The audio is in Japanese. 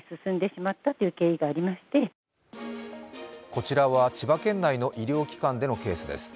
こちらは千葉県内の医療機関でのケースです。